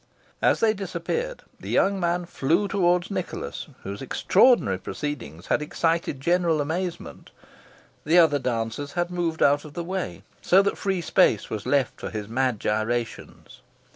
As they disappeared, the young man flew towards Nicholas, whose extraordinary proceedings had excited general amazement. The other dancers had moved out of the way, so that free space was left for his mad gyrations.